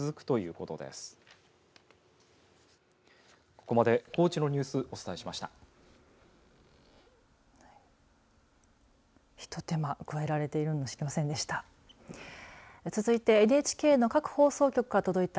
ここまで高知のニュースお伝えしました。